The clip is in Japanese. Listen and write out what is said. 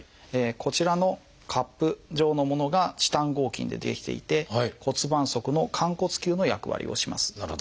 こちらのカップ状のものがチタン合金で出来ていて骨盤側の寛骨臼の役割をします。